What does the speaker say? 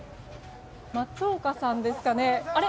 松岡さんですかね。